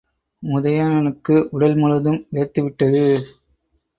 உதயணனுக்கு உடல் முழுதும் வேர்த்துவிட்டது.